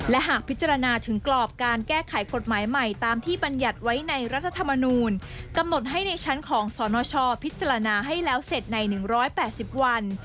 และหากพิจารณาถึงกรอบการแก้ไขกฎหมายใหม่ตามที่บรรยัติไว้ในรัฐธรรมนูลกำหนดให้ในชั้นของสนชพิจารณาให้แล้วเสร็จใน๑๘๐วัน